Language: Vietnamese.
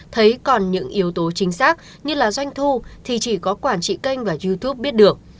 thấy còn những yếu tố chính xác như là doanh thu thì chỉ có quản trị kênh và youtube biết được